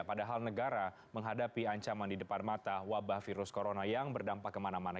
padahal negara menghadapi ancaman di depan mata wabah virus corona yang berdampak kemana mana